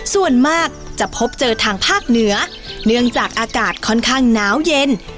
ส่วนมากจะพบเจอทางภาคเหนือเนื่องจากอากาศค่อนข้างหนาวเย็น